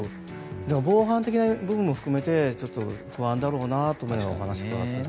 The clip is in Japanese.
防犯的な部分も含めて不安だろうなと思いながらお話を伺っていて。